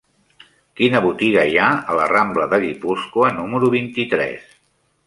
Quina botiga hi ha a la rambla de Guipúscoa número vint-i-tres?